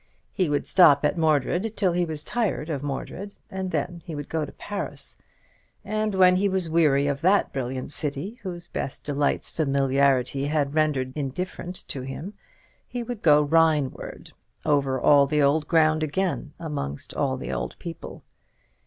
He would stop at Mordred till he was tired of Mordred, and then he would go to Paris; and when he was weary of that brilliant city, whose best delights familiarity had rendered indifferent to him, he would go Rhine ward, over all the old ground again, amongst all the old people.